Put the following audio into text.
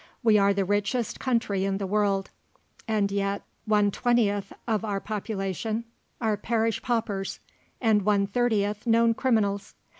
We are the richest country in the world, and yet cue twentieth of our population are parish paupers, and one thirtieth known criminals.